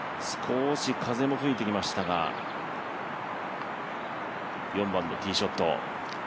少し風も吹いてきましたが４番のティーショット。